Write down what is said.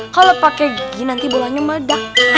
kalau pakai gigi nanti bolanya mada